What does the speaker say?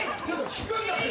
引くんだって！